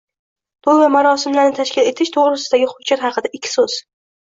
To'y va marosimlarni tashkil etish to'g'risidagi hujjat haqida ikki so'z